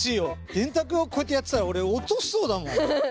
電卓をこうやってたらおれ落としそうだもん。